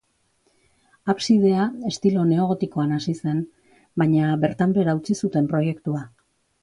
Absidea estilo neo-gotikoan hasi zen, baina bertan behera utzi zuten proiektua.